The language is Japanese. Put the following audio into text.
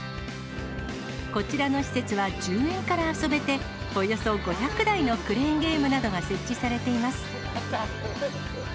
こちらの施設は１０円から遊べて、およそ５００台のクレーンゲームなどが設置されています。